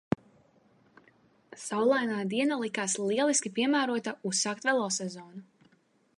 Saulainā diena likās lieliski piemērota uzsākt velosezonu.